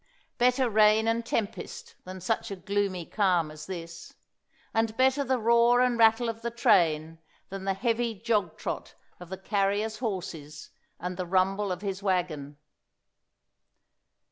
Better rain and tempest than such a gloomy calm as this; and better the roar and rattle of the train than the heavy jog trot of the carrier's horses, and the rumble of his wagon.